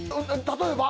例えば？